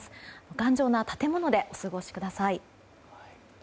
頑丈な建物でお過ごしください。